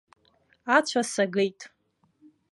Ацәа сагеит.